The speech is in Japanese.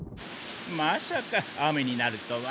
まさか雨になるとは。